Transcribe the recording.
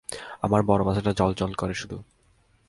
আমার বড় পাছাটা জ্বলজ্বল করে শুধু!